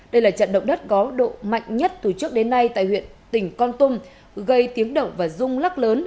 đây là trận động đất có độ mạnh nhất từ trước đến nay tại huyện tỉnh con tum gây tiếng động và rung lắc lớn